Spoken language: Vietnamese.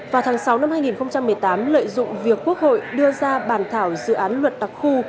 vào tháng sáu năm hai nghìn một mươi tám lợi dụng việc quốc hội đưa ra bàn thảo dự án luật đặc khu